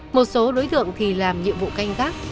một số đối tượng thì làm nhiệm vụ canh tác